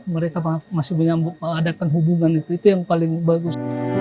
mereka masih menyambut mengadakan hubungan itu itu yang paling bagus